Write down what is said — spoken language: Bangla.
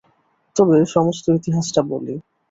তবে সমস্ত ইতিহাসটা বলি।